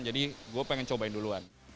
gue pengen cobain duluan